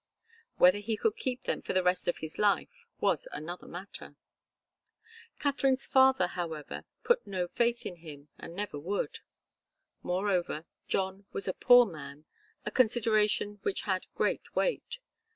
Whether he could keep them for the rest of his life was another matter. Katharine's father, however, put no faith in him, and never would. Moreover, John was a poor man, a consideration which had great weight.